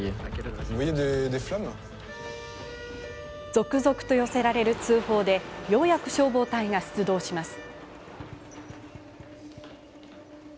続々と寄せられる通報でようやく消防隊が出動します。